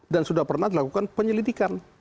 sudah pernah dilakukan penyelidikan